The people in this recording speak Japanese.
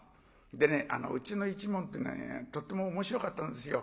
でねうちの一門ってとっても面白かったんですよ。